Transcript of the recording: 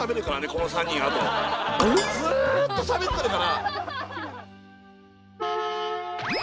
ずっとしゃべってるから。